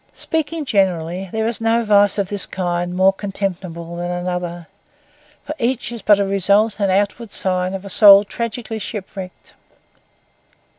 Speaking generally, there is no vice of this kind more contemptible than another; for each is but a result and outward sign of a soul tragically ship wrecked.